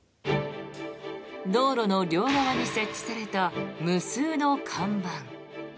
道路の両側に設置された無数の看板。